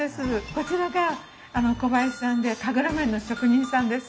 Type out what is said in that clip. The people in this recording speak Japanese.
こちらが小林さんで神楽面の職人さんです。